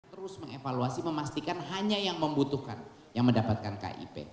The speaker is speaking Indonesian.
terus mengevaluasi memastikan hanya yang membutuhkan yang mendapatkan kip